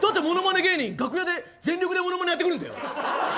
芸人、楽屋で全力でモノマネやってくるんだよ。